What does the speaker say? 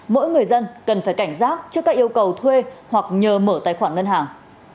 mỗi người dân cần phải cảnh giác trước các yêu cầu thuê hoặc nhờ mở tài khoản ngân hàng